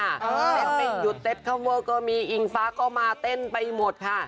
แต่ไปหยุดเต้นกันเข้าเว้อก็มีอิงฟ้าก็มาเต้นไปหมดค่ะ